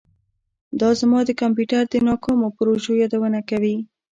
دا زما د کمپیوټر د ناکامو پروژو یادونه کوي